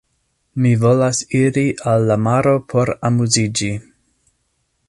Mi volas iri al la maro por amuziĝi.